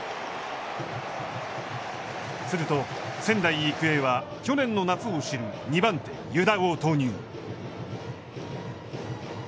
すると仙台育英は、去年の夏を知る２番手湯田を投入。